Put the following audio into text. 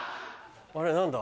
あれ何だ？